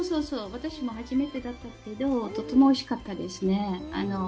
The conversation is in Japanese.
私も初めてだったですけど、とてもおいしかったですね。